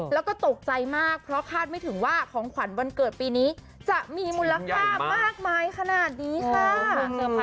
แล้วก็ตกใจมากเพราะคาดไม่ถึงว่าของขวัญวันเกิดปีนี้จะมีมูลค่ามากมายขนาดนี้ค่ะ